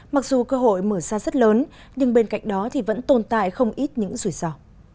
mặc dù cơ hội mở ra rất lớn nhưng bên cạnh đó thì vẫn tồn tại không ít những rủi ro